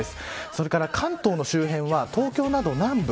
それから関東の周辺は東京など南部